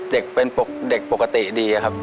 เด็กเป็นเด็กปกติดีครับ